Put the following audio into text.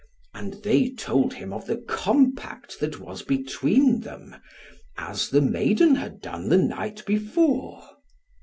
And they told him of the compact that was between them; as the maiden had done the night before.